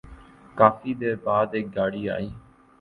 کافی دیر بعد ایک گاڑی آئی ۔